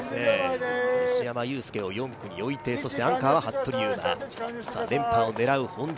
西山雄介を１区に置いて、アンカーは服部勇馬、連覇を狙うＨｏｎｄａ、